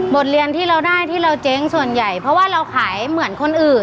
เรียนที่เราได้ที่เราเจ๊งส่วนใหญ่เพราะว่าเราขายเหมือนคนอื่น